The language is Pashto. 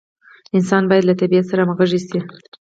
انسان باید له طبیعت سره همغږي شي.